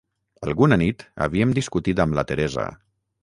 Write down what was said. Alguna nit havíem discutit amb la Teresa.